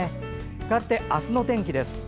かわって明日の天気です。